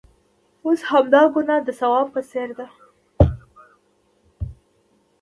اوس همدا ګناه د ثواب په څېر ده.